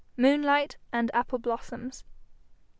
MOONLIGHT AND APPLE BLOSSOMS.